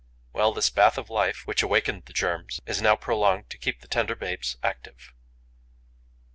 Well, this bath of life, which awakened the germs, is now prolonged to keep the tender babes active.